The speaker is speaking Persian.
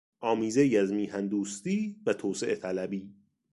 آمیزهای از میهن دوستی و توسعه طلبی